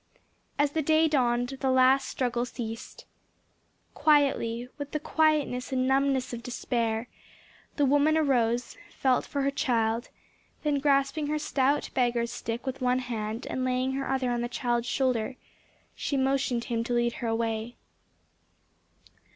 As the day dawned the last struggle ceased. Quietly, with the quietness and numbness of despair, the woman arose, felt for her child, awoke him, then grasping her stout beggar's stick with one hand and laying her other on the child's shoulder she motioned him to lead her away.